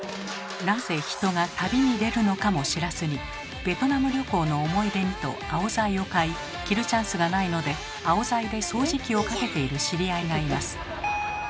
なぜ人が旅に出るのかも知らずにベトナム旅行の思い出にとアオザイを買い着るチャンスがないのでアオザイで掃除機をかけている知り合いがいます。